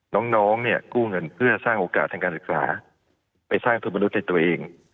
น้องเนี่ยกู้เงินเพื่อสร้างโอกาสทางการศึกษาไปสร้างเพื่อมนุษย์ในตัวเอง